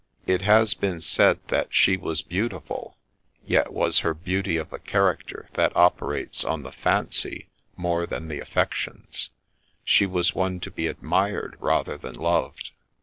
It has been said that she was beautiful, yet was her beauty of a character that operates on the fancy more than the affections ; she was one to be admired rather than loved.